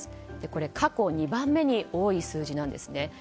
これ、過去２番目に多い数字なんですね。